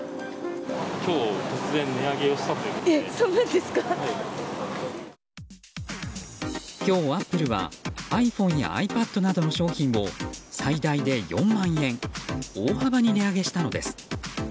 今日アップルはｉＰｈｏｎｅやｉＰａｄなどの商品を最大で４万円大幅に値上げしたのです。